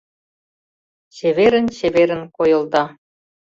Чеверын-чеверын койылда.